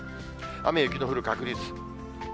雨や雪の降る確率。